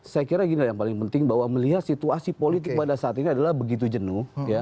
saya kira gini yang paling penting bahwa melihat situasi politik pada saat ini adalah begitu jenuh